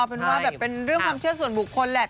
เป็นว่าแบบเป็นเรื่องความเชื่อส่วนบุคคลแหละ